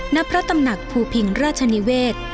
ณพระตำหนักภูพิงราชนิเวศ